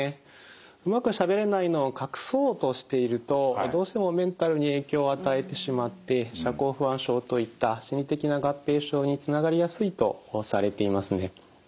うまくしゃべれないのを隠そうとしているとどうしてもメンタルに影響を与えてしまって社交不安症といった心理的な合併症につながりやすいとされていますね。